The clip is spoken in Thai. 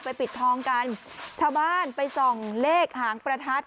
ปิดทองกันชาวบ้านไปส่องเลขหางประทัด